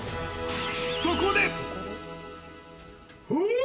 そこで！